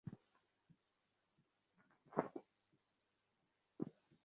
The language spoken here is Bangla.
বর সদলবলে কন্যাকর্তার কুটিরে আসিয়া পৌঁছিলেন।